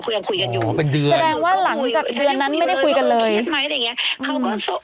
คุยกันอยู่อ๋อเป็นเดือนแสดงว่าหลังจากเดือนนั้นไม่ได้คุยกันเลย